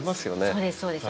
そうですそうです。